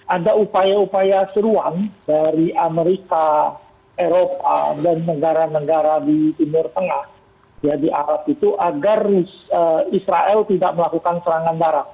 ada upaya upaya seruan dari amerika eropa dan negara negara di timur tengah di arab itu agar israel tidak melakukan serangan barat